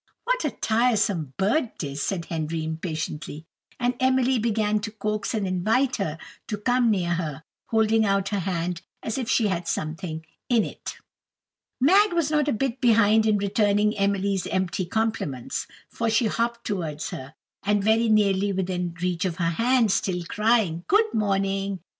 "What a tiresome bird it is," said Henry, impatiently. And Emily began to coax and invite her to come near, holding out her hand as if she had something in it. Mag was not a bit behind in returning Emily's empty compliments, for she hopped towards her, and very nearly within reach of her hand, still crying, "Good morning!